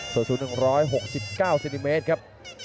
ส่วนศูนย์๑๖๙ซินติเมตรครับ